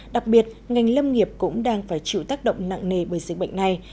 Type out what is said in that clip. đặc biệt ngành lâm nghiệp cũng đang phải chịu tác động nặng nề bởi dịch bệnh này